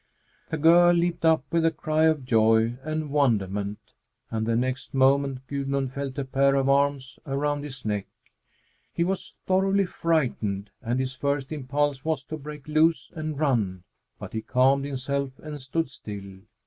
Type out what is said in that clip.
The girl leaped up with a cry of joy and wonderment, and the next moment Gudmund felt a pair of arms around his neck. He was thoroughly frightened, and his first impulse was to break loose and run; but he calmed himself and stood still.